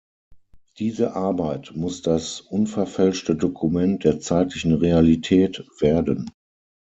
Diese Arbeit muss das unverfälschte Dokument der zeitlichen Realität werden.